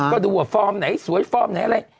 ก็ดูว่าฟอร์มไหนสวยฟอร์มไหนอะไร